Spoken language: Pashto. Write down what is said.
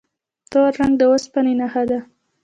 تور رنګ د اوسپنې نښه ده.